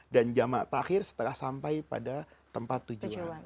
dan jamak takdir setelah sampai pada tempat tujuan